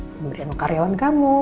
memberikan ke karyawan kamu